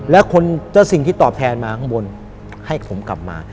แล้วคนเจ้าสิ่งที่ตอบแทนมาข้างบนให้ผมกลับมา